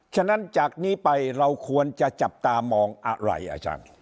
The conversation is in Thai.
ฉะนั้นจากนี้ไปเราควรจะจับตามองอะไรอาจารย์